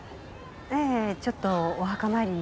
ええちょっとお墓参りに。